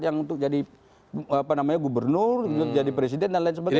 yang untuk jadi gubernur jadi presiden dan lain sebagainya